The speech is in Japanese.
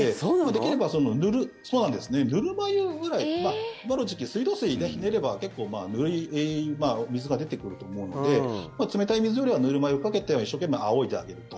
できれば、ぬるま湯ぐらい今の時期、水道水ひねれば結構ぬるい水が出てくると思うので冷たい水よりはぬるま湯をかけて一生懸命あおいであげると。